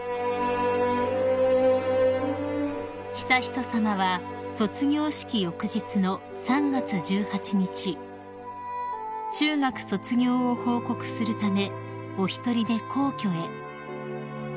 ［悠仁さまは卒業式翌日の３月１８日中学卒業を報告するためお一人で皇居へ］